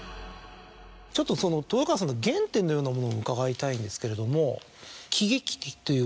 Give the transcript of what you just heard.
豊川さんの原点のようなものを伺いたいんですけれども。